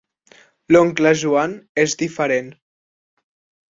L'oncle Joan és diferent.